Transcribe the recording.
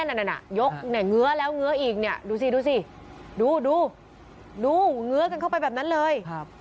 นั่นยกเหงือแล้วเหงืออีกเนี่ยดูสิดูเหงือกันเข้าไปแบบนั้นเลย